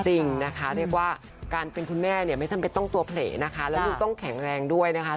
จริงนะคะเรียกว่าการเป็นคุณแม่เนี่ยไม่จำเป็นต้องตัวเผลอนะคะแล้วลูกต้องแข็งแรงด้วยนะคะ